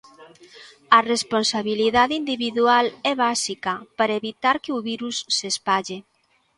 A responsabilidade individual é basica para evitar que o virus se espalle.